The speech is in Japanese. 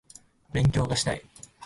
勉強がしたい